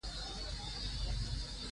دښتې د افغانستان د اقتصاد برخه ده.